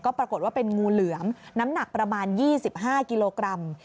ปรากฏว่าเป็นงูเหลือมน้ำหนักประมาณ๒๕กิโลกรัม